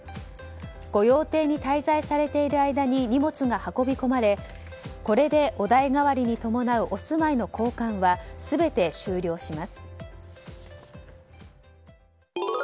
御用邸に滞在されている間に荷物が運び出されこれでお代替わりに伴うお住いの交換は全て終了します。